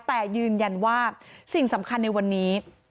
แต่ยืนยันว่าสิ่งสำคัญในวันนี้